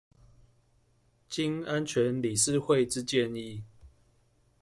經安全理事會之建議